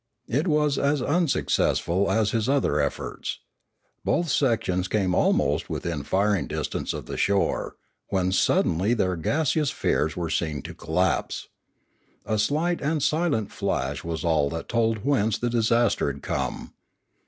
It was as unsuccessful as his other efforts. Both sections came almost within firing distance of the shore, when suddenly their gaseous spheres were seen to collapse. A slight and silent flash was all that told whence the disaster had come.